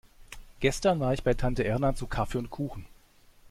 Gestern war ich bei Tante Erna zu Kaffee und Kuchen.